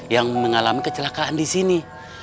yang mengalami kecelakaan disini